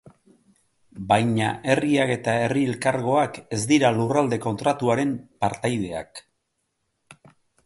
Baina herriak eta herri elkargoak ez dira Lurralde Kontratuaren partaideak.